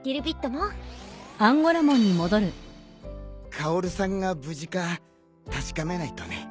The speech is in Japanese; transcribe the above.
カオルさんが無事か確かめないとね。